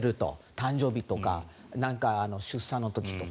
誕生日とかなんか出産の時とか。